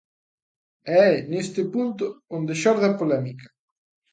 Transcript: E é neste punto onde xorde a polémica.